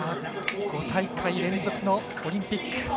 ５大会連続のオリンピック。